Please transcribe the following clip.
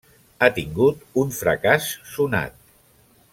Ha tingut un fracàs sonat.